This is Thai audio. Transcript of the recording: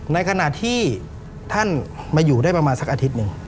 ในขณะที่ท่านมาอยู่ได้ประมาณสักอาทิตย์หนึ่ง